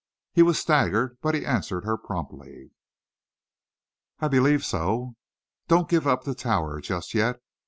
He was staggered but he answered her promptly. "I believe so." "Don't give up the Tower just yet.